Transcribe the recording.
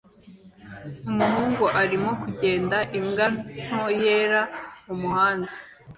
Umuhungu arimo kugenda imbwa nto yera mumuhanda